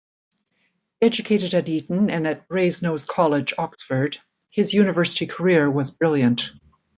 Educated at Eton and at Brasenose College, Oxford, his university career was brilliant.